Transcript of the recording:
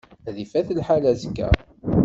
Ad ifat lḥal azekka.